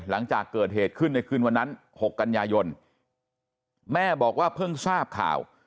หลังจากเกิดเหตุขึ้นในคืนวันนั้น๖กันยายนแม่บอกว่าเพิ่งทราบข่าว